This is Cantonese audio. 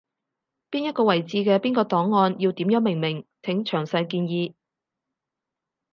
邊一個位置嘅邊個檔案要點樣命名，請詳細建議